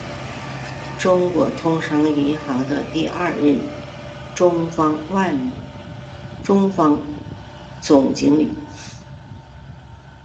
中国通商银行的第二任中方总经理。